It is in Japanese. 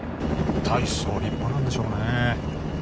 たいそう立派なんでしょうね